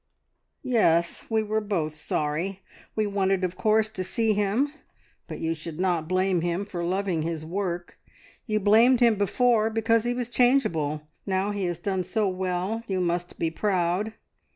"Yes. We were both sorry. We wanted of course to see him, but you should not blame him for loving his work. You blamed him before because he was changeable; now he has done so well, you must be proud."